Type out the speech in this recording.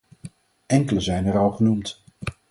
Enkele zijn er al genoemd.